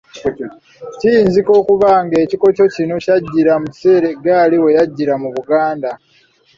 Kiyinzika okuba ng'ekikokyo kino kyajjira mu kiseera eggaali we yajjira mu Buganda.